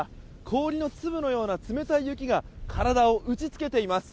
氷の粒のような冷たい雪が体を打ち付けています。